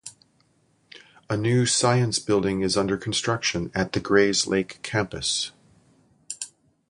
A new science building is under construction at the Grayslake campus.